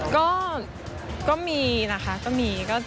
ก็มีนะคะก็มี